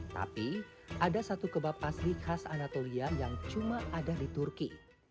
tapi ada satu kebab asli khas anatolia yang cuma ada di turki